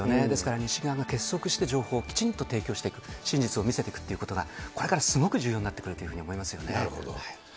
ですから西側が結束して情報をきちんと提供していく、真実を見せていくということがこれから非常に重要になってくるとなるほど。